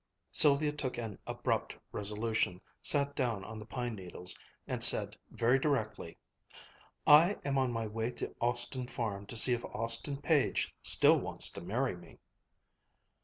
Sylvia took an abrupt resolution, sat down on the pine needles, and said, very directly, "I am on my way to Austin Farm to see if Austin Page still wants to marry me."